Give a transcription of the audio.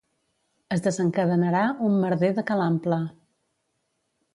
Es desencadenarà un merder de ca l'ample.